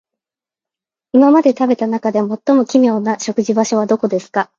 今まで食べた中で最も奇妙な食事場所はどこですか。